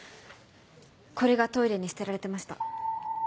これがトイレに捨てられてました。